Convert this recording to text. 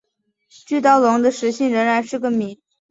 巨盗龙的食性仍然是个谜。